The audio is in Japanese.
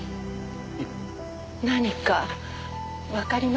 何かわかりました？